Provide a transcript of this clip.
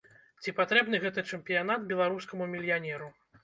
Ці патрэбны гэты чэмпіянат беларускаму мільянеру?